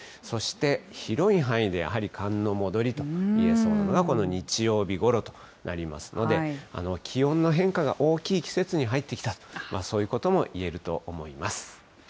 そして広い範囲でやはり、寒の戻りといえそうなのがこの日曜日ごろとなりますので、気温の変化が大きい季節に入ってきた、そういうこともいえると思います。